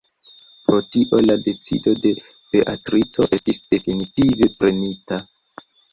Pro tio la decido de Beatrico estis definitive prenita.